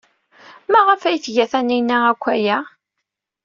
Maɣef ay tga Taninna akk aya?